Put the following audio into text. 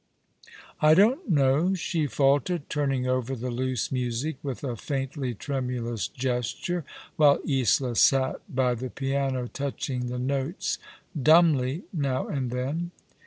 " I don't know," she faltered, turning over the loose music with a faintly tremulous gesture, while Isola sat by the piano, touching the notes dumbly now and then.